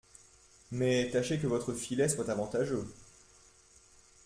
Mais tâchez que votre filet soit avantageux.